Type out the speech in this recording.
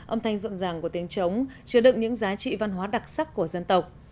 âm thanh rộn ràng của tiếng trống chứa đựng những giá trị văn hóa đặc sắc của dân tộc